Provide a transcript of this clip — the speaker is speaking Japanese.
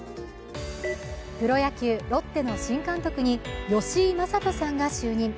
プロ野球、ロッテの新監督に吉井理人さんが就任。